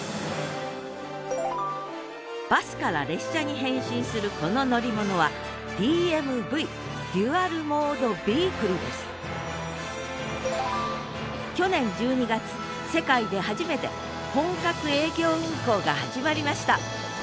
バスから列車に変身するこの乗り物はＤＭＶデュアル・モード・ビークルです去年１２月世界で初めて本格営業運行が始まりました